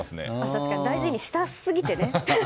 確かに大事にしたすぎてね。